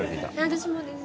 私もです。